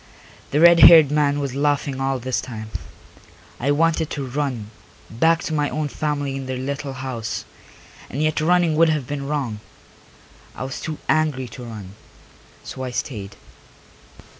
The red haired man was laughing all this time. I wanted to run, back to my own family in their little house, and yet running would have been wrong; I was too angry to run, so I stayed.